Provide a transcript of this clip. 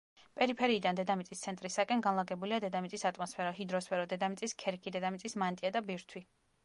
პერიფერიიდან დედამიწის ცენტრისაკენ განლაგებულია: დედამიწის ატმოსფერო, ჰიდროსფერო, დედამიწის ქერქი, დედამიწის მანტია და ბირთვი.